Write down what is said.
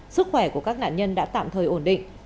sức khỏe của các nạn nhân đã tạm thời ổn định